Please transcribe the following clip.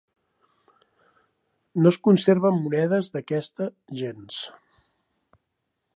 No es conserven monedes d'aquesta gens.